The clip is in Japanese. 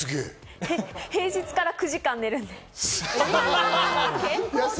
平日から９時間寝るんで。